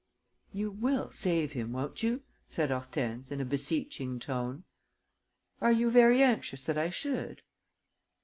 "You will save him, won't you?" said Hortense, in a beseeching tone. "Are you very anxious that I should?"